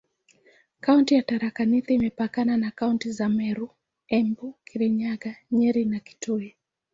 Kaunti ya Tharaka Nithi imepakana na kaunti za Meru, Embu, Kirinyaga, Nyeri na Kitui.